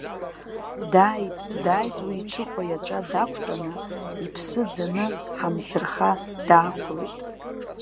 Дааит, дааит уи иҽыхәа иаҵәа дақәтәаны, иԥсы ӡаны ҳамӡырха даақәлеит.